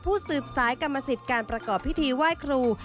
ผู้สืบสลายอจริงภาตสิทธิเกาะก่อนพิธีไหว้ครู